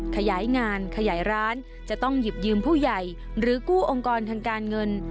ขยายงานขยายร้านจะต้องหยิบยืมผู้ใหญ่หรือกู้องค์กรทางการเงิน